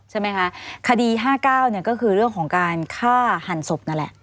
ใช่ไหมคะคดี๕๙ก็คือเรื่องของการฆ่าหันศพนั่นแหละ